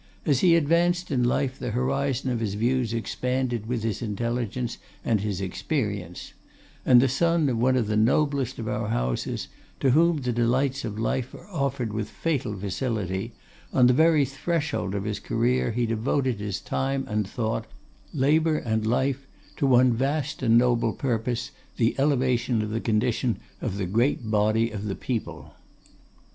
As he advanced in life the horizon of his views expanded with his intelligence and his experience; and the son of one of the noblest of our houses, to whom the delights of life are offered with fatal facility, on the very threshold of his career he devoted his time and thought, labour and life, to one vast and noble purpose, the elevation of the condition of the great body of the people.